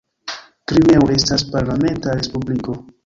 Krimeo estas parlamenta respubliko.